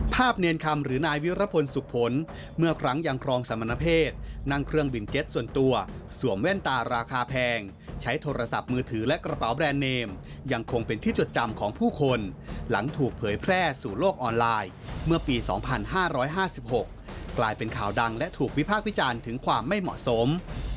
เนรคำหรือนายวิรพลสุขผลเมื่อครั้งยังครองสมณเพศนั่งเครื่องบินเก็ตส่วนตัวสวมแว่นตาราคาแพงใช้โทรศัพท์มือถือและกระเป๋าแบรนด์เนมยังคงเป็นที่จดจำของผู้คนหลังถูกเผยแพร่สู่โลกออนไลน์เมื่อปี๒๕๕๖กลายเป็นข่าวดังและถูกวิพากษ์วิจารณ์ถึงความไม่เหมาะสม